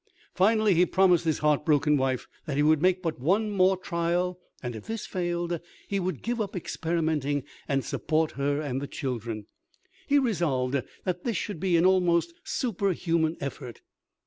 Finally he promised his heart broken wife that he would make but one more trial, and if this failed, he would give up experimenting, and support her and the children. He resolved that this should be an almost superhuman effort.